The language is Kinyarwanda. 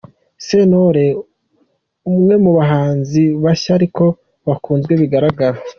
Sentore umwemu bahanzi bashya ariko bakunzwe bigaragara.